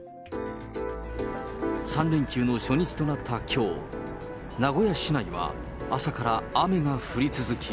３連休の初日となったきょう、名古屋市内は朝から雨が降り続き。